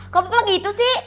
kok papa gitu sih